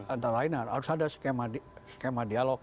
antara lain harus ada skema dialog